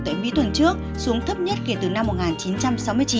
tại mỹ tuần trước xuống thấp nhất kể từ năm một nghìn chín trăm sáu mươi chín